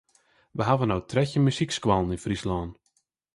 We hawwe no trettjin muzykskoallen yn Fryslân.